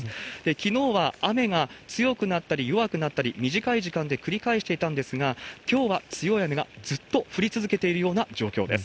きのうは雨が強くなったり弱くなったり、短い時間で繰り返していたんですが、きょうは強い雨がずっと降り続けているような状況です。